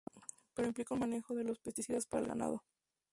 Pero implica un manejo de los pesticidas para el ganado.